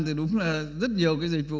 thì đúng là rất nhiều cái dịch vụ